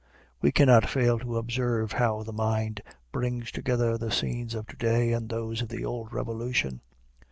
We cannot fail to observe how the mind brings together the scenes of to day and those of the old Revolution.